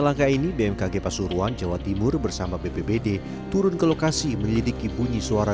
langkah ini bmkg pasuruan jawa timur bersama bpbd turun ke lokasi menyelidiki bunyi suara